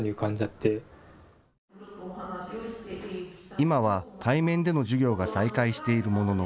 今は対面での授業が再開しているものの